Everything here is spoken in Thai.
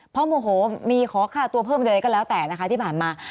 เพราะโมโหมีขอค่าตัวเพิ่มเลยก็แล้วแต่นะคะที่ผ่านมา